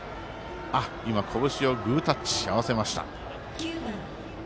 今、拳をグータッチ合わせました。